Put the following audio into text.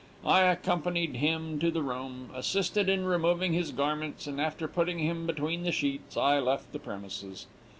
I accompanied him to the room, assisted in removing his garments, and, after putting him between the sheets, I left the premises.